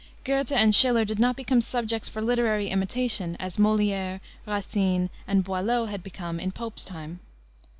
Goethe and Schiller did not become subjects for literary imitation as Molière, Racine, and Boileau had become in Pope's time.